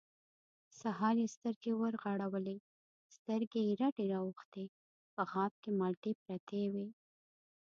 سهار يې سترګې ورغړولې، سترګې يې رډې راوختې، په غاب کې مالټې پرتې وې.